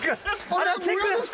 あれはチェックです！